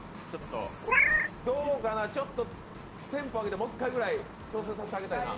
どうかな、ちょっとテンポ上げてもう一回ぐらい挑戦させてあげたいな。